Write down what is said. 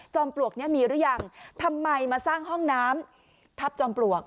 ปลวกนี้มีหรือยังทำไมมาสร้างห้องน้ำทัพจอมปลวก